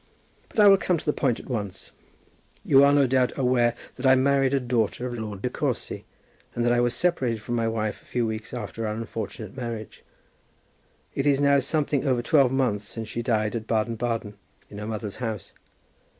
But I will come to my point at once. You are, no doubt, aware that I married a daughter of Lord De Courcy, and that I was separated from my wife a few weeks after our unfortunate marriage. It is now something over twelve months since she died at Baden Baden in her mother's house.